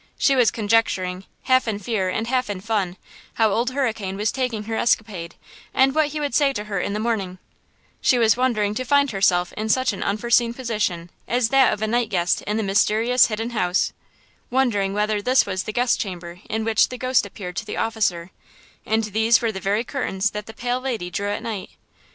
She was conjecturing, half in fear and half in fun; how Old Hurricane was taking her escapade and what he would say to her in the morning She was wondering to find herself in such an unforeseen position as that of a night guest in the mysterious Hidden House–wondering whether this was the guest chamber in which the ghost appeared to the officer and these were the very curtains that the pale lady drew at night.